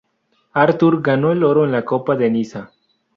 Artur ganó el oro en la Copa de Niza.